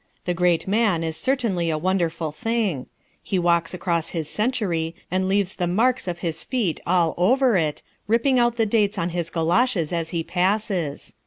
The great man is certainly a wonderful thing. He walks across his century and leaves the marks of his feet all over it, ripping out the dates on his goloshes as he passes.